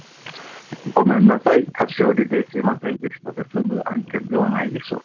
ごめんなさい、菓子折ですみませんでしたで済む案件ではないでしょう。